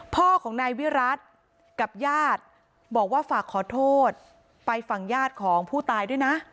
พ่อของนายวิรัติกับญาติบอกว่าฝากขอโทษไปฝั่งญาติของผู้ตายด้วยนะ